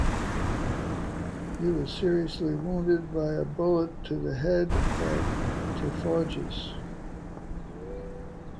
He was seriously wounded by a bullet to the head at Tiffauges.